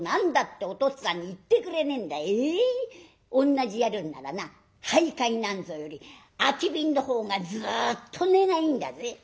同じやるんならな灰買なんぞより空き瓶のほうがずっと値がいいんだぜ。